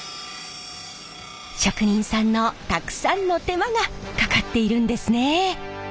職人さんのたくさんの手間がかかっているんですねえ。